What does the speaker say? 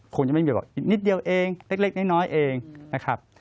คงจะไม่มีแบบนิดเดียวเองเล็กน้อยเองนะครับ